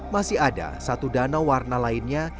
masih ada satu danau warna lainnya